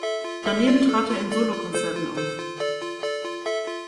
Daneben trat er in Solokonzerten auf.